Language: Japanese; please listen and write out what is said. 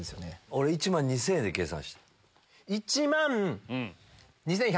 俺１万２０００円で計算してた。